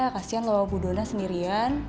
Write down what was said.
kasian loh bu dona sendirian